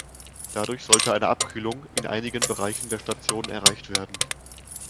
Dadurch sollte eine Abkühlung in einigen Bereichen der Station erreicht werden.